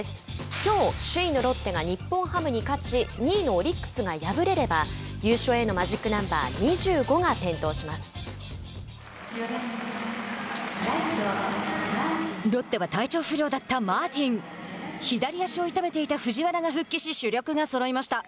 きょう、首位のロッテが日本ハムに勝ち２位のオリックスが敗れれば優勝へのマジックナンバーロッテは体調不良だったマーティン左足を痛めていた藤原が復帰し主力がそろいました。